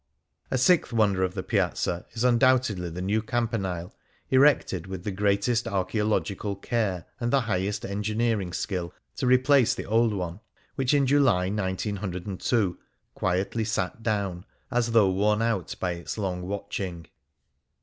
A sixth wonder of the Piazza is undoubtedly the new Campanile, erected, with the greatest archaeological care and the highest engineering skill, to replace the old one, which, in July, 1902, quietly sat down, as though worn out by its long watching.